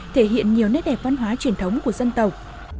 thể hiện nhiều nét đẹp văn hóa truyền thống của dân tộc